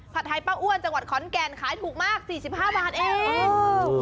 ไทยป้าอ้วนจังหวัดขอนแก่นขายถูกมาก๔๕บาทเอง